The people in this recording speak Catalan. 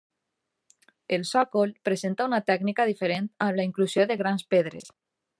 El sòcol presenta una tècnica diferent amb la inclusió de grans pedres.